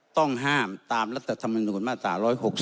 ต้องห้ามตามรัฐธรรมนุนมาตรา๑๖๒